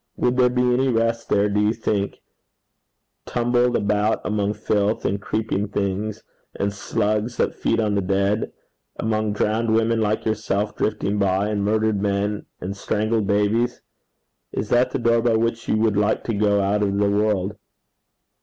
Would there be any rest there, do you think, tumbled about among filth and creeping things, and slugs that feed on the dead; among drowned women like yourself drifting by, and murdered men, and strangled babies? Is that the door by which you would like to go out of the world?'